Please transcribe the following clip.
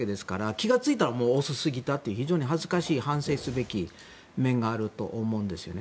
気が付いたら、遅すぎたという非常に恥ずかしい反省すべき面があると思うんですよね。